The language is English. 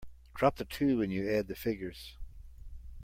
Drop the two when you add the figures.